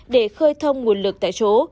để khơi thông nguồn lực tại chỗ